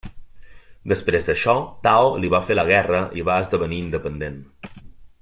Després d'això Tao li va fer la guerra i va esdevenir independent.